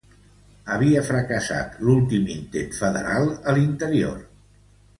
Havia fracassat l'últim intent federal a l'interior.